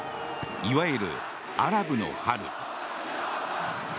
いわゆるアラブの春。